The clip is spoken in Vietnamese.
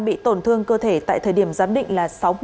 điểm giám định là sáu mươi năm